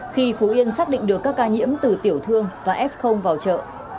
khi phú yên xác định được các ca nhiễm từ tiểu thương và f vào chợ